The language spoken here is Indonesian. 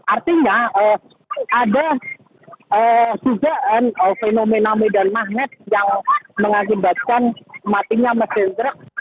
artinya ada dugaan fenomena medan magnet yang mengakibatkan matinya mesin truk